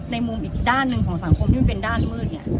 ในมุมด้านหนึ่งของสังคมที่มันเป็นด้านมืด